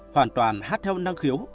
hoàn toàn hát theo năng khiếu